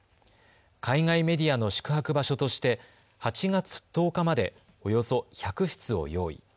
海外メディアの宿泊場所として８月１０日までおよそ１００室を用意。